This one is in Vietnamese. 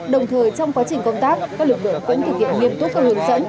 đồng thời trong quá trình công tác các lực lượng vẫn thực hiện nghiêm túc các hướng dẫn